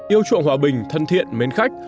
yêu chuộng hòa bình thân thiện mến khách